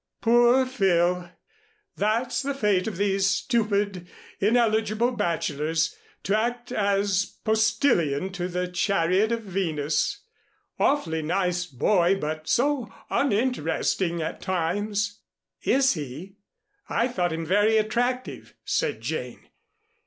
"Poor Phil! That's the fate of these stupid ineligible bachelors to act as postilion to the chariot of Venus. Awfully nice boy, but so uninteresting at times." "Is he? I thought him very attractive," said Jane.